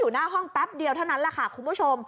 หน้าห้องแป๊บเดียวเท่านั้นแหละค่ะคุณผู้ชม